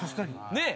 ねえ。